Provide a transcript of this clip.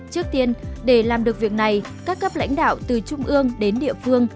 trước tiên để làm được việc này các cấp lãnh đạo từ trung ương đến địa phương